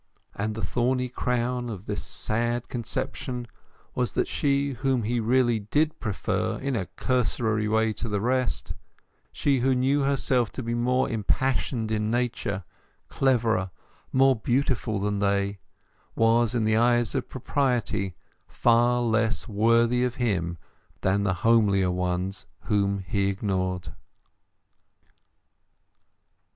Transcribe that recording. And the thorny crown of this sad conception was that she whom he really did prefer in a cursory way to the rest, she who knew herself to be more impassioned in nature, cleverer, more beautiful than they, was in the eyes of propriety far less worthy of him than the homelier ones whom he ignored.